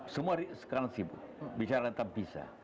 semua sekarang sibuk bisa lantang bisa